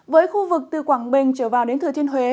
với khu vực từ quảng bình trở vào đến thừa thiên huế